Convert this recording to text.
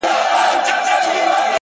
o د خدای لپاره په ژړه نه کيږي ـ ـ